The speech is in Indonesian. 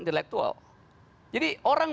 intelektual jadi orang